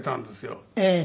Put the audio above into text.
ええ。